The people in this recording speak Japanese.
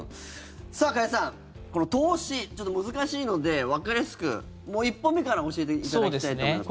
加谷さん、この投資ちょっと難しいのでわかりやすく一歩目から教えていただきたいと思います。